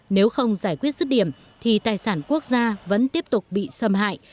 nếu không giải quyết rứt điểm thì tài sản quốc gia vẫn tiếp tục bị xâm hại